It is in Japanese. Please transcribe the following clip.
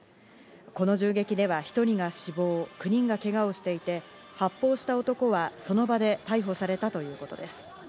この銃撃では１人が死亡、９人がけがをしていて、発砲した男はその場で逮捕されたということです。